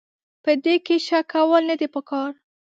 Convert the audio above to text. په دې کې شک کول نه دي پکار.